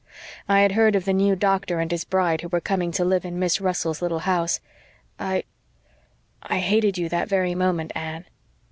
I had heard of the new doctor and his bride who were coming to live in Miss Russell's little house. I I hated you that very moment, Anne."